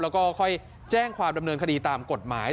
แล้วก็ค่อยแจ้งความดำเนินคดีตามกฎหมาย